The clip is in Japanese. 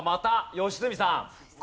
良純さん。